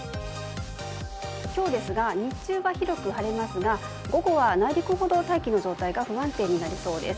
今日ですが日中は広く晴れますが午後は内陸ほど、大気の状態が不安定になりそうです。